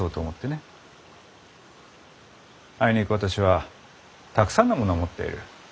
あいにく私はたくさんのものを持っている。